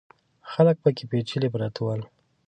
خلک پکې پېچلي پراته ول.